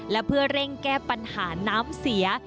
และเพื่อเร่งแก้ปัญหาน้ำเสีย